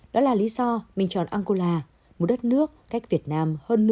đó là lý do mình chọn angola một đất nước cách việt nam hơn